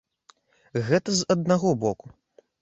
Гэта з аднаго боку.